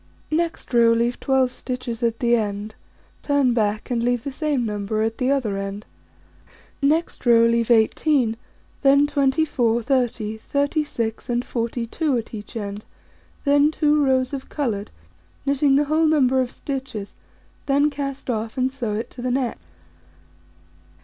Next row: Leave 12 stitches at the end, turn back, and leave the same number at the other end. Next row: Leave 18, then 24, 30, 36, and 42, at each end, then 2 rows of coloured, knitting the whole number of stitches, then cast off, and sew it to the neck.